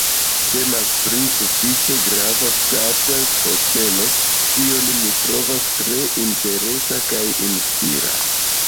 Temas pri sufiĉe grava ŝtata posteno, kiun mi trovas tre interesa kaj inspira.